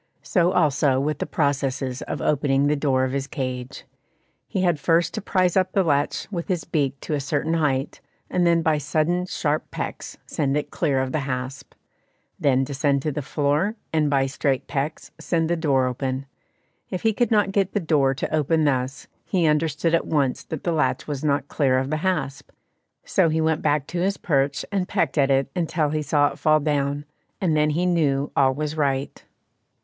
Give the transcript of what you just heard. So also with the processes of opening the door of his cage. He had first to prize up the latch with his beak to a certain height, and then by sudden sharp pecks send it clear of the hasp; then descend to the floor, and by straight pecks send the door open. If he could not get the door to open thus, he understood at once that the latch was not clear of the hasp, so he went back to his perch and pecked at it until he saw it fall down, and then he knew all was right.